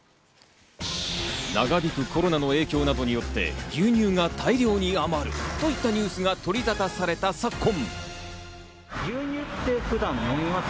長引くコロナの影響などによって、牛乳が大量に余る？といったニュースが取りざたされた昨今。